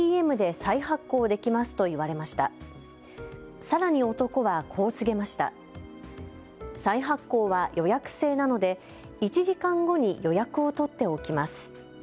再発行は予約制なので１時間後に予約を取っておきます。